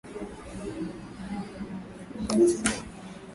Ugonjwa wa ndorobo hauoneshi vidonda katika viungo vya mwili wa mnyama